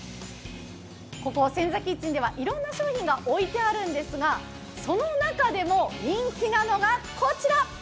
ここセンザキッチンではいろんな商品が置いてあるんですがその中でも人気なのがこちら！